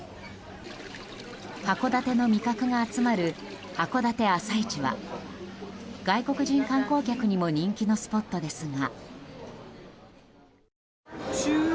函館の味覚が集まる函館朝市は外国人観光客にも人気のスポットですが。